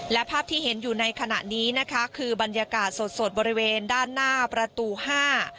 และภาพที่เห็นอยู่ในขณะนี้นะคะคือบรรยากาศสดสดบริเวณด้านหน้าประตูห้า